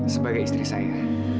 sebagai istri saya